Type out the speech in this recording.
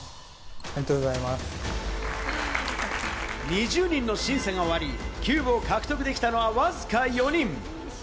２０人の審査が終わり、キューブを獲得できたのは、わずか４人。